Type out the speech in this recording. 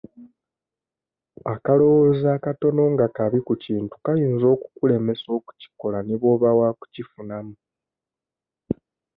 Akalowoozo akatono nga kabi ku kintu kayinza okukulemesa okukikola ne bw'oba wa kukifunamu.